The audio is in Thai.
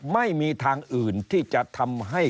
ไม่มีทางอื่นที่จะทำให้